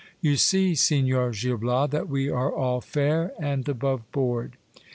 You see, Signor Gil Bias, that we are all fair and above board.